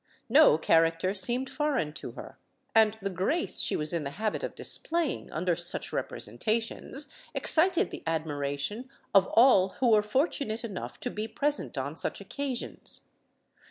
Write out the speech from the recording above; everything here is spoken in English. No character seemed foreign to her, and the grace she was in the habit of displaying under such representations excited the admiration of all who were fortunate enough to be present on such occasions.